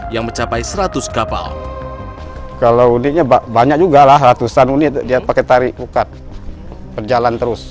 yang mencapai seratus kapal kalau unitnya banyak juga lah ratusan unit dia pakai tarik ukat berjalan terus